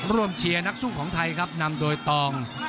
เชียร์นักสู้ของไทยครับนำโดยตอง